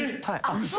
嘘！？